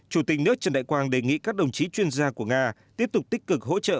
chủ tịch nước trần đại quang đề nghị các đồng chí chuyên gia của nga tiếp tục tích cực hỗ trợ